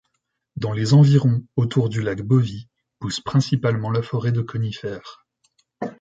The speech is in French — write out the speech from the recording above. Dans les environs autour du lac Bovie pousse principalement la forêt de conifères.